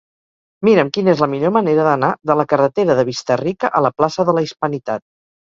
Mira'm quina és la millor manera d'anar de la carretera de Vista-rica a la plaça de la Hispanitat.